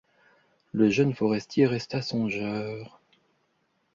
Le jeune forestier resta songeur.